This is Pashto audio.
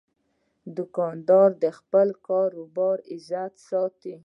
دوکاندار د خپل کاروبار عزت ساتي.